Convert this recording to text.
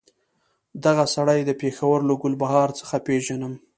دغه سړی د پېښور له ګلبهار څخه پېژنم.